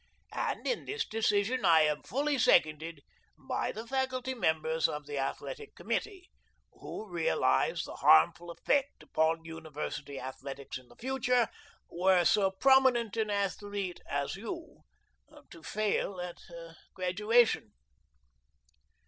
And in this decision I am fully seconded by the faculty members of the athletic committee, who realize the harmful effect upon university athletics in the future were so prominent an athlete as you to fail at graduation."